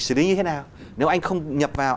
xử lý như thế nào nếu anh không nhập vào